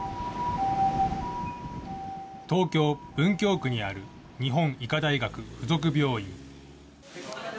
東京・文京区にある日本医科大学付属病院。